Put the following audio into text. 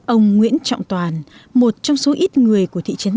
ông nguyễn trọng toàn một trong số ít người của thị trấn